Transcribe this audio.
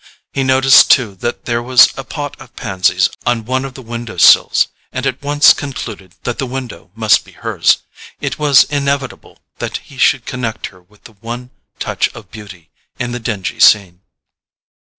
He noticed too that there was a pot of pansies on one of the window sills, and at once concluded that the window must be hers: it was inevitable that he should connect her with the one touch of beauty in the dingy scene.